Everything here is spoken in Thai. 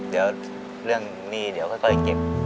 เดี๋ยวเรื่องหนี้เรากระเก็บ